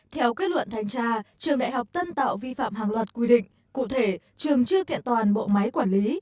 theo kết luận thanh tra trường đại học tân tạo vi phạm hàng loạt quy định cụ thể trường chưa kiện toàn bộ máy quản lý